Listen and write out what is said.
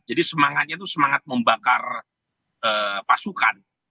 jadi semangatnya itu semangat membakar pasukan